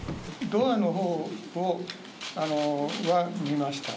ドアのほうは見ました。